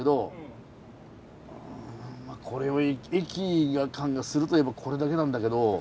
これを駅感がするといえばこれだけなんだけど。